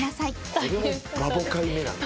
これもバボ回目なんだ。